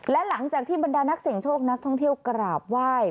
และหลังจากที่บรรดานักเสียงโชคนักท่องเที่ยวกราบไหว้